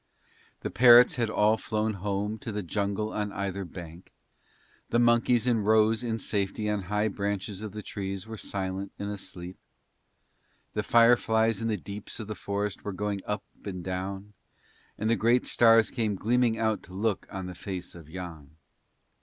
The parrots had all flown home to the jungle on either bank, the monkeys in rows in safety on high branches of the trees were silent and asleep, the fireflies in the deeps of the forest were going up and down, and the great stars came gleaming out to look on the face of Yann.